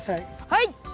はい！